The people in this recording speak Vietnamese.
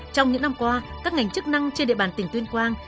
trong những năm qua các ngành chức năng trên địa bàn tỉnh tuyên quang